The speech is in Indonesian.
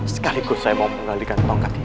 sekaligus saya mau menggalikan tongkat ini